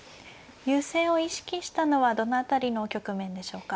優勢を意識したのはどの辺りの局面でしょうか。